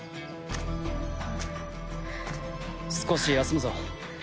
少し休むぞ。